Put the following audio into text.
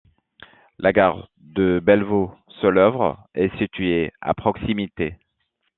La gare de Belvaux-Soleuvre est située à proximité.